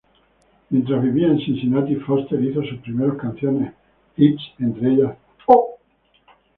Mientras vivía en Cincinnati, Foster hizo sus primeros canciones hits, entre ellas "Oh!